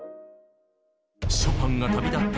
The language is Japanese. ショパンが旅立った